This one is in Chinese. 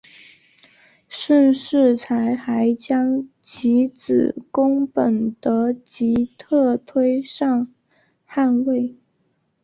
盛世才还将其子恭本德吉特推上汗位。